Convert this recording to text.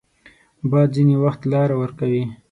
باد ځینې وخت لاره ورکوي